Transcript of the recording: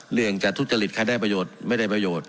เรียงจากทุกเจริตคะได้ประโยชน์ไม่ได้ประโยชน์